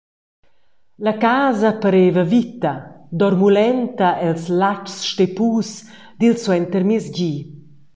La casa pareva vita, dormulenta els latschs steppus dil suentermiezdi.